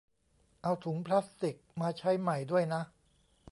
เอาถุงพลาสติกมาใช้ใหม่ด้วยนะ